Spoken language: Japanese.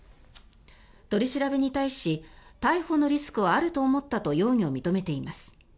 取り調べに対し逮捕のリスクはあると思ったと容疑を認めています。